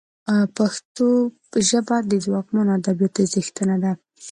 پښتو ژبه د ځواکمنو ادبياتو څښتنه ده